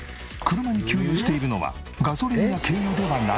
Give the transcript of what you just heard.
車に給油しているのはガソリンや軽油ではなく。